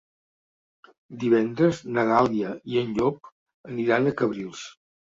Divendres na Dàlia i en Llop aniran a Cabrils.